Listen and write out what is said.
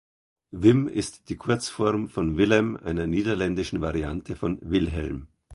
Wim ist die Kurzform von Willem, einer niederländischen Variante von Wilhelm.